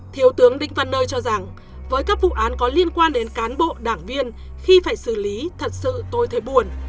thiếu tướng đinh văn nơi cho rằng với các vụ án có liên quan đến cán bộ đảng viên khi phải xử lý thật sự tôi thấy buồn